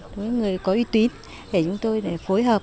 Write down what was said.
đối với người có uy tín để chúng tôi phối hợp